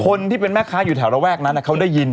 คนที่เป็นแม่ค้าอยู่แถวระแวกนั้นเขาได้ยิน